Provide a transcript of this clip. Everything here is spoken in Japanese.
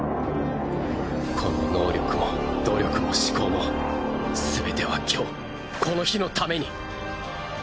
この能力も努力も思考も全ては今日この日のために！